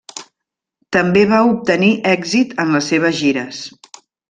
També va obtenir èxit en les seves gires.